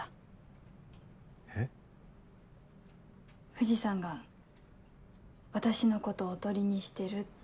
藤さんが私のことおとりにしてるって。